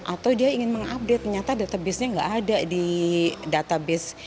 atau dia ingin mengupdate ternyata database nya nggak ada di database